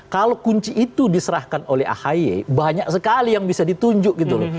kalau kunci itu diserahkan oleh ahy banyak sekali yang bisa ditunjuk gitu loh